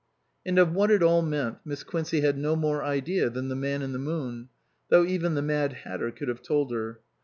And of what it all meant Miss Quincey had no more idea than the man in the moon, though even the Mad Hatter could have told her.